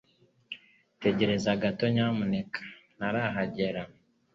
Tegereza gato nyamuneka. Ntarahagera